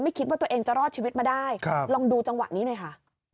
คิดว่าตัวเองจะรอดชีวิตมาได้ลองดูจังหวะนี้หน่อยค่ะ